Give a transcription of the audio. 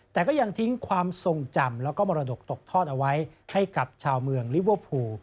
แต่ก็ยังทิ้งความทรงจำแล้วก็มรดกตกทอดเอาไว้ให้กับชาวเมืองลิเวอร์พูล